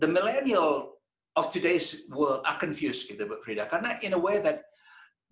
para milenial dunia hari ini terlalu terganggu dengan frida karena dalam cara yang